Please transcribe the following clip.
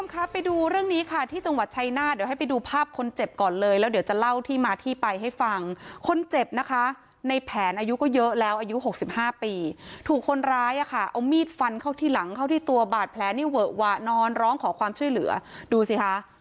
ครับไปดูเรื่องนี้ค่ะที่จังหวัดชัยหน้าเดี๋ยวให้ไปดูภาพคนเจ็บก่อนเลยแล้วเดี๋ยวจะเล่าที่มาที่ไปให้ฟังคนเจ็บนะคะในแผนอายุก็เยอะแล้วอายุหกสิบห้าปีถูกคนร้ายอ่ะค่ะเอามีดฟันเข้าที่หลังเข้าที่ตัวบาดแผลนี่เวอะวะนอนร้องขอความช่วยเหลือดูสิคะ